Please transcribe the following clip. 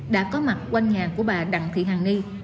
đã có mặt quanh nhà của bà đặng thị hàng ni